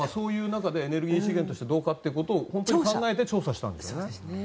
そういう中でエネルギー資源としてどうかということを調査したんだろう。